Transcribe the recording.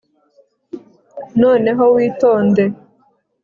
noneho witonde